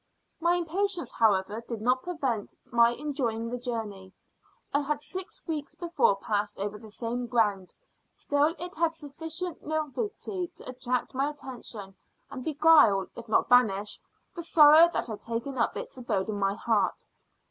My impatience, however, did not prevent my enjoying the journey. I had six weeks before passed over the same ground; still it had sufficient novelty to attract my attention, and beguile, if not banish, the sorrow that had taken up its abode in my heart.